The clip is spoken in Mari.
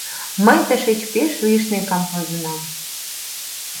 — Мый тышеч пеш лишне камвозынам…